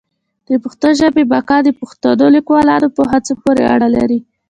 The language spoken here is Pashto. د پښتو ژبي بقا د پښتنو لیکوالانو په هڅو پوري اړه لري.